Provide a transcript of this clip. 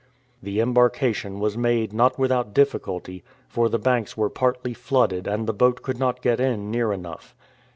The embarkation was made not without difficulty, for the banks were partly flooded and the boat could not get in near enough.